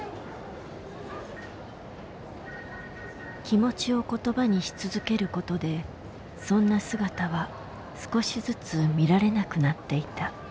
気持ちを言葉にし続けることでそんな姿は少しずつ見られなくなっていた。